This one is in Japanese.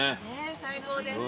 最高です。